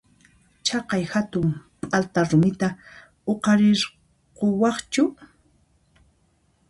Chaqay hatun p'alta rumita huqarirquwaqchu?